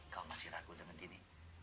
kau masih ragu dengan ini